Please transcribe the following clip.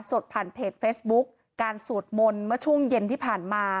สดผ่านเพจเฟซบุ๊คการสวดมนต์เมื่อช่วงเย็นที่ผ่านมา